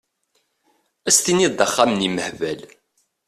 Ad s-tiniḍ d axxam imehbal!